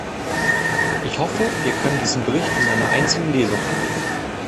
Ich hoffe, wie können diesen Bericht in einer einzigen Lesung annehmen.